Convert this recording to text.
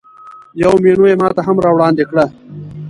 یوه مینو یې ماته هم راوړاندې کړه.